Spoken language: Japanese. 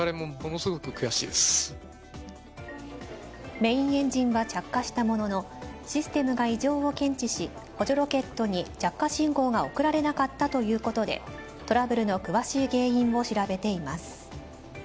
メインエンジンは着火したもののシステムが異常を検知し、補助ロケットに着火信号が送られなかったということでトラブルの詳しい原因を調べています。